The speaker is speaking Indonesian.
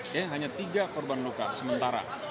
ya hanya tiga korban luka sementara